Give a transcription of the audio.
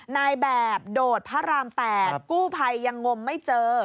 นายแบบโดดพระราม๘กู้ภัยยังงมไม่เจอ